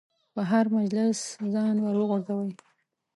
په هر مجلس ځان ورغورځوي.